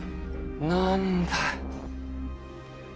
何だ。